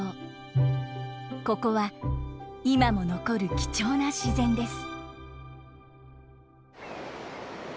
ここは今も残る貴重な自然です。